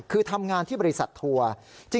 คือทำงานที่บริษัททัวร์